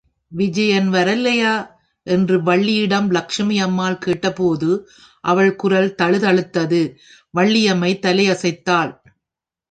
விஜயன் வரலியா? என்று வள்ளியிடம் லட்சுமி அம்மாள் கேட்டபோது அவள் குரல் தழுதழுத்தது வள்ளியம்மை தலையசைத்தாள்.